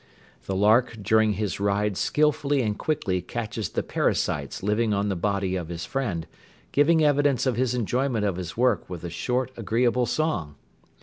The lark during his ride skilfully and quickly catches the parasites living on the body of his friend, giving evidence of his enjoyment of his work with a short agreeable song.